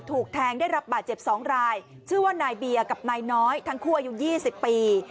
ถูกแทงได้รับบาดเจ็บ๒รายชื่อว่านายเบียร์กับนายน้อยทั้งคู่อายุ๒๐ปี